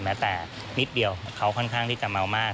แม้แต่นิดเดียวเขาค่อนข้างที่จะเมามาก